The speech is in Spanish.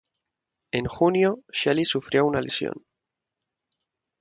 En junio, Shelley sufrió una lesión.